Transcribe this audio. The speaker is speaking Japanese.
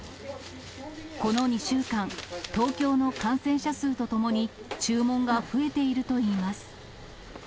この２週間、東京の感染者数とともに、注文が増えているといいます。